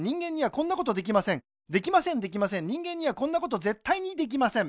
できませんできません人間にはこんなことぜったいにできません